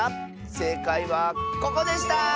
せいかいはここでした！